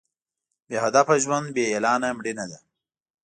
بې هدفه ژوند بې اعلانه مړینه ده.